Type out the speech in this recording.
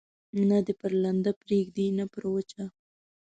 نه دي پر لنده پرېږدي، نه پر وچه.